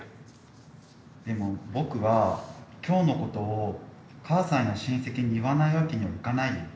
でも僕は今日のことを母さんや親戚に言わないわけにはいかないよ。